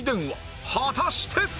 果たして！